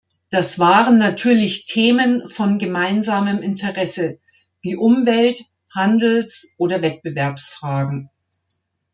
Das waren natürlich Themen von gemeinsamem Interesse wie Umwelt-, Handelsoder Wettbewerbsfragen.